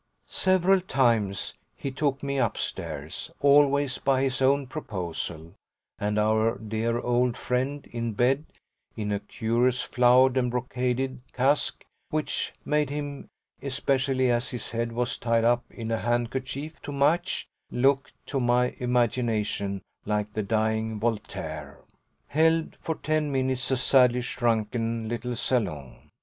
Several times he took me upstairs always by his own proposal and our dear old friend, in bed (in a curious flowered and brocaded casaque which made him, especially as his head was tied up in a handkerchief to match, look, to my imagination, like the dying Voltaire) held for ten minutes a sadly shrunken little salon.